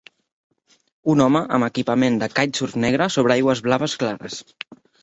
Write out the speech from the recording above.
Un home amb equipament de kitesurf negre sobre aigües blaves clares.